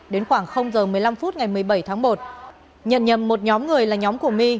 đến khoảng giờ một mươi năm phút ngày một mươi bảy tháng một nhận nhầm một nhóm người là nhóm của my